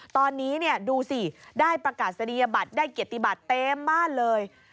ตอนนี้ดูสิได้ประกาศนียบัตรได้เกียรติบัติเต็มบ้านเลย